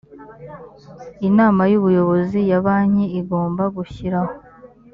inama y ubuyobozi ya banki igomba gushyiraho